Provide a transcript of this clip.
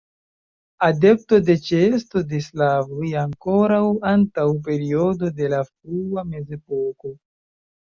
Adepto de ĉeesto de slavoj ankoraŭ antaŭ periodo de la frua mezepoko.